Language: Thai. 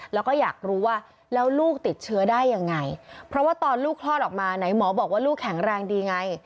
แล้วก็อยากรู้ว่าแล้วลูกติดเชื้อได้ยังไงเพราะว่าตอนลูกคลอดออกมาไหนหมอบอกว่าลูกแข็งแรงดีไง